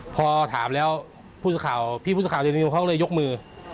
พอถามแล้วพี่ผู้สาขาวได้รีนิวเขาก็เลยยกมือ